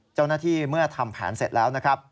เจ้าหน้าที่เมื่อทำแผนเสร็จแล้วนะครับ